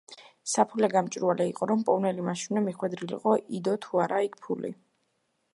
საფულე გამჭვირვალე იყო, რომ მპოვნელი მაშინვე მიხვედრილიყო, იდო თუ არა იქ ფული.